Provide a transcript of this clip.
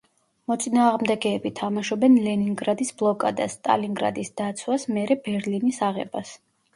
მოწინააღმდეგეები თამაშობენ „ლენინგრადის ბლოკადას“, „სტალინგრადის დაცვას“, მერე „ბერლინის აღებას“.